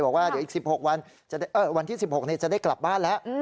บอกว่าเดี๋ยวอีก๑๖วันที่๑๖จะได้กลับบ้านแล้ว